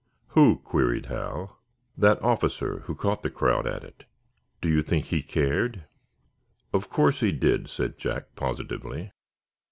"Who?" queried Hal. "That officer who caught the crowd at it." "Do you think he cared?" "Of course he did," said Jack, positively.